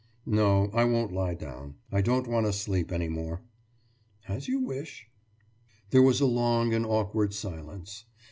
« »No, I won't lie down. I don't want to sleep any more.« »As you wish.« There was a long and awkward silence.